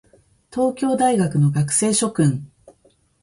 東京大学の学生諸君